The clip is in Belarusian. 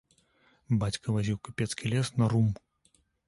Бацька вазіў купецкі лес на рум.